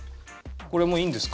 これもういいんですか？